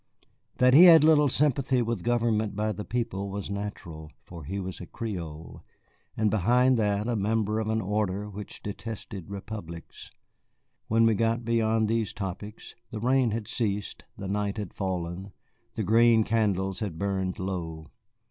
That he had little sympathy with government by the people was natural, for he was a Creole, and behind that a member of an order which detested republics. When we were got beyond these topics the rain had ceased, the night had fallen, the green candles had burned low.